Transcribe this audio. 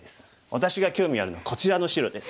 私が興味あるのはこちらの白です」。